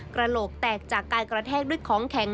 กระโหลกแตกจากการกระแทกด้วยของแข็ง